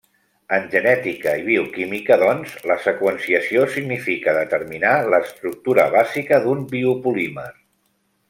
En genètica i bioquímica, doncs, la seqüenciació significa determinar l’estructura bàsica d’un biopolímer.